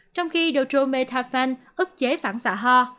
trong khi doutrometafan ức chế phản xạ ho